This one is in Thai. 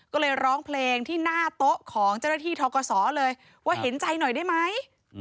ก็เลยร้องเพลงที่หน้าโต๊ะของเจ้าหน้าที่ทกศเลยว่าเห็นใจหน่อยได้ไหม